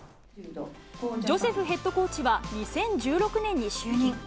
ジョセフヘッドコーチは、２０１６年に就任。